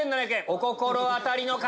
お心当たりの方！